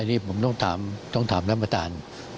อันนี้ผมต้องถามต้องถามน้ำประตาน